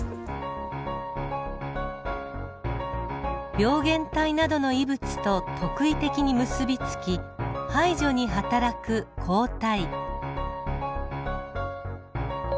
病原体などの異物と特異的に結び付き排除に働く抗体。